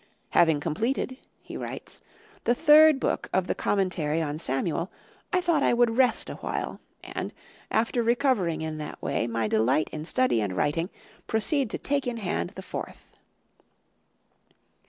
"Having completed," he writes, "the third book of the Commentary on Samuel, I thought I would rest awhile, and, after recovering in that way my delight in study and writing, proceed to take in hand the fourth."